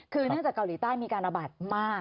คือเนื่องจากเกาหลีใต้มีการระบาดมาก